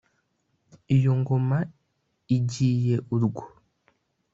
iyo ngoma igiye urwo.